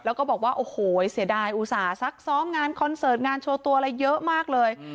แล้วก็บอกว่าโอ้โหเสียดายอุตส่าห์ซักซ้อมงานคอนเสิร์ตงานโชว์ตัวอะไรเยอะมากเลย